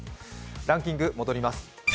ランキング戻ります。